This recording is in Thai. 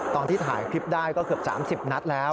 ตอนที่ถ่ายคลิปได้ก็เกือบ๓๐นัดแล้ว